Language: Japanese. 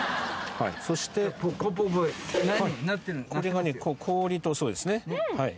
そしてこれがね氷とそうですね